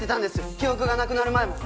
記憶がなくなる前も！